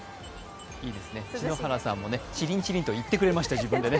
篠原さんもチリンチリンと自分で言ってくれました。